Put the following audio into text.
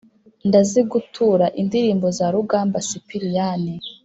Ndazigutura indirimbo za rugamba sipiriyani